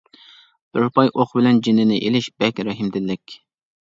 بىر پاي ئوق بىلەن جېنىنى ئېلىش بەك رەھىمدىللىك!